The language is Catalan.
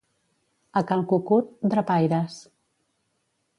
A cal Cucut, drapaires.